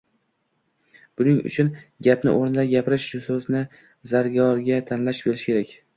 Buning uchun gapni o‘rnida gapirish, so‘zni zargarona tanlay bilish kerak.